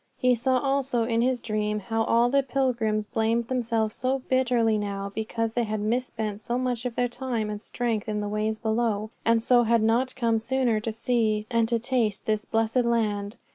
He saw also in his dream how all the pilgrims blamed themselves so bitterly now because they had misspent so much of their time and strength in the ways below, and so had not come sooner to see and to taste this blessed land.